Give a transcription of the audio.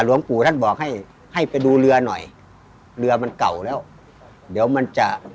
หลวงปู่ท่านบอกให้ให้ไปดูเรือหน่อยเรือมันเก่าแล้วเดี๋ยวมันจะ